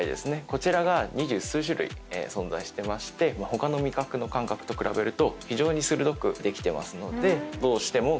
こちらが二十数種類存在してまして他の味覚の感覚と比べると非常に鋭くできてますので。